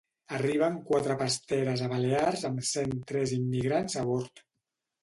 Arriben quatre pasteres a Balears amb cent tres immigrants a bord.